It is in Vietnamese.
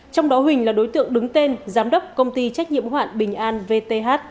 trong đó huỳnh là đối tượng đứng tên giám đốc công ty trách nhiệm hữu hạn bình an vth